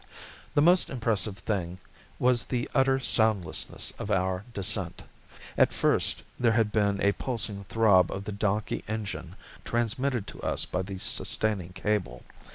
The most impressive thing was the utter soundlessness of our descent. At first there had been a pulsing throb of the donkey engine transmitted to us by the sustaining cable.